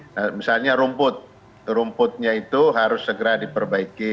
nah misalnya rumput rumputnya itu harus segera diperbaiki